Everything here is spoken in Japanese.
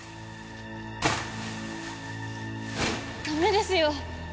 だめですよ！